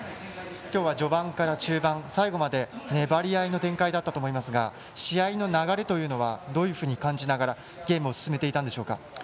今日は序盤から中盤最後まで粘り合いの展開だったと思いますが試合の流れというのはどういうふうに感じながらゲームを進めていたんでしょうか。